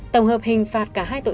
tổng hợp hình phạt cả hai tội